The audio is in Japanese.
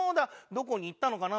どこに行ったのかな？